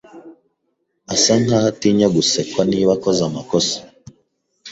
Asa nkaho atinya gusekwa niba akoze amakosa.